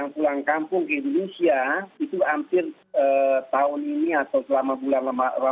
pulang kampung ke indonesia itu hampir tahun ini atau selama bulan ramadan ini hampir satu delapan ratus orang